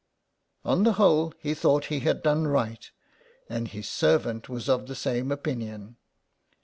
On the whole he thought he had done right, and his servant was of the same opinion.